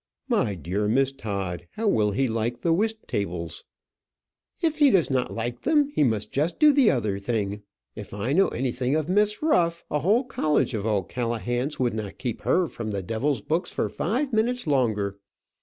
My dear Miss Todd, how will he like the whist tables?" "If he does not like them, he must just do the other thing. If I know anything of Miss Ruff, a whole college of O'Callaghans would not keep her from the devil's books for five minutes longer.